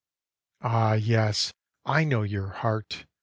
Ah, yes, I know your heart!